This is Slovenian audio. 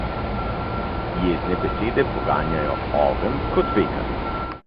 Jezne besede poganjajo ogenj kot veter.